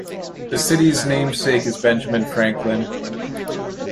The city's namesake is Benjamin Franklin.